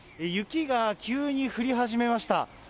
雪が急に降り始めました。